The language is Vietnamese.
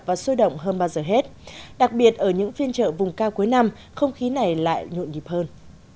và sôi động hơn bao giờ hết đặc biệt ở những phiên chợ vùng cao cuối năm không khí này lại nhộn nhịp hơn